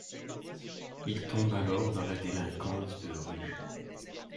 Il tombe alors dans la délinquance de rue.